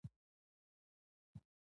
کاناډا ته سلام.